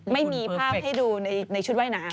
ไม่มีภาพให้ดูในชุดว่ายน้ำ